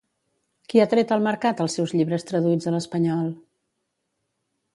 Qui ha tret al mercat els seus llibres traduïts a l'espanyol?